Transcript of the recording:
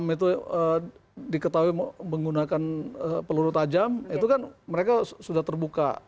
enam itu diketahui menggunakan peluru tajam itu kan mereka sudah terbuka